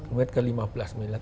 mulai dari lima belas miliar